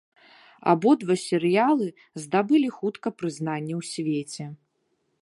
Абодва серыялы здабылі хутка прызнанне ў свеце.